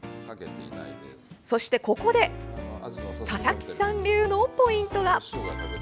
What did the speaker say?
そして、ここで田崎さん流のポイントが。